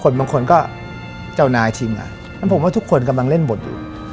บางคนก็เจ้านายทีมงานนั้นผมว่าทุกคนกำลังเล่นบทอยู่